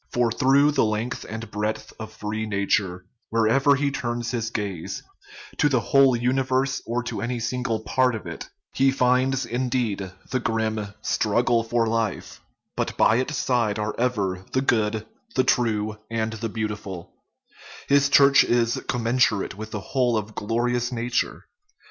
For through the length and breadth of free nature, wherever he turns his gaze, to the whole universe or to any single part of it, he finds, indeed, the grim " strug gle for life," but by its side are ever " the good, the true, and the beautiful "; his church is commensurate with the whole of glorious nature.